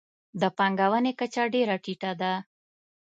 د پانګونې کچه ډېره ټیټه ده.